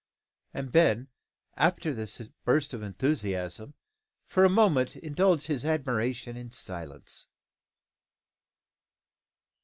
And Ben, after this burst of enthusiasm, for a moment indulged his admiration in silence.